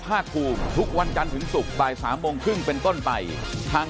ครับขอบพระคุณครับสวัสดีครับ